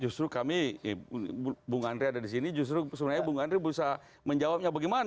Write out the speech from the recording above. justru kami bung andri ada disini justru sebenarnya bung andri bisa menjawabnya bagaimana ini